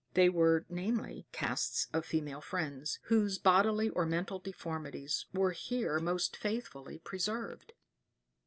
They were, namely, casts of female friends, whose bodily or mental deformities were here most faithfully preserved.